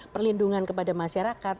perlindungan kepada masyarakat